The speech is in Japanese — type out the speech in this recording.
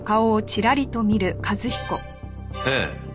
ええ。